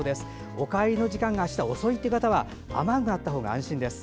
お帰りの時間が明日遅い方は雨具があったほうが安心です。